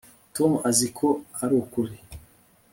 Tom azi ko arukuri